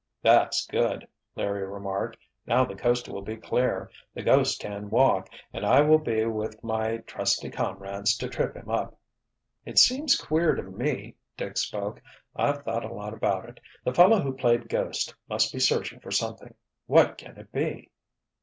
"That's good," Larry remarked. "Now the coast will be clear, the ghost can walk, and I will be with my trusty comrades to trip him up." "It seems queer to me," Dick spoke. "I've thought a lot about it. The fellow who played ghost must be searching for something. What can it be?"